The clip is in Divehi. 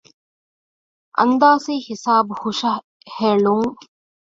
އަންދާސީ ހިސާބު ހުށަހެލުން